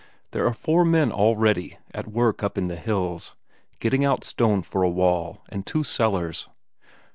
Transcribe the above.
There are four men already at work up in the hills, getting out stone for a wall and two cellars.